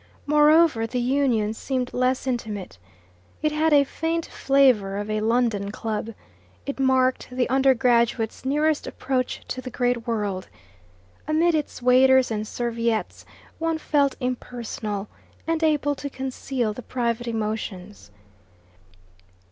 Moreover, the Union seemed less intimate. It had a faint flavour of a London club; it marked the undergraduate's nearest approach to the great world. Amid its waiters and serviettes one felt impersonal, and able to conceal the private emotions.